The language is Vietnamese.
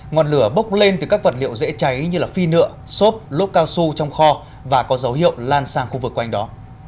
ngọn lửa bốc lên từ các vật liệu dễ cháy như phi nựa xốp lốt cao su trong kho và có dấu hiệu lan sang khu vực quanh đó